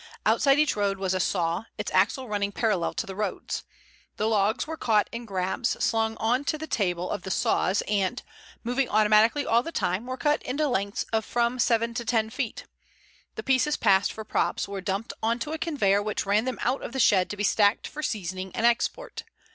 Outside each road was a saw, its axle running parallel to the roads. The logs were caught in grabs, slung on to the table of the saws and, moving automatically all the time, were cut into lengths of from seven to ten feet. The pieces passed for props were dumped on to a conveyor which ran them out of the shed to be stacked for seasoning and export.